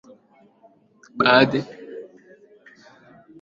baadhi ya redio hazina uwezo wa kiuchumi